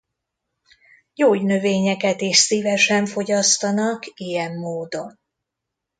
Gyógynövényeket is szívesen fogyasztanak ilyen módon.